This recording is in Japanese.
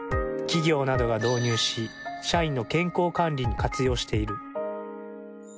企業などが導入し社員の健康管理に活用している。